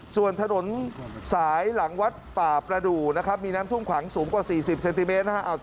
ส่วนถนนสายหลังวัดป่าประดูนะครับมีน้ำท่วมขังสูงกว่า๔๐เซนติเมตรนะครับ